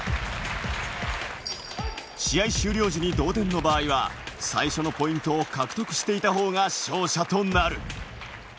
試合終了時に同点の場合は、最初のポイントを獲得していたほうが勝者となる。